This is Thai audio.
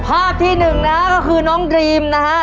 ภาพที่หนึ่งนะก็คือน้องดรีมนะฮะ